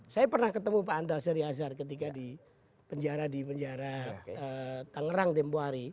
saya pernah ketemu pak andal seryazar ketika di penjara di penjara tangerang tempohari